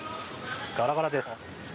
ガラガラです。